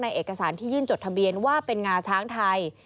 เอกสารที่ยื่นจดทะเบียนว่าเป็นงาช้างไทย